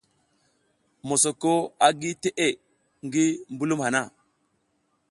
Mosoko a gi teʼe ngi mbulum hana.